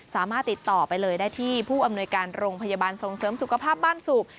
สามารถติดต่อไปเลยได้ที่ผู้อำนวยการโรงพยาบาลส่งเสริมสุขภาพบ้านสูบ